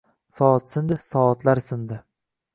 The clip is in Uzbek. Soat sindi, soatlar sindi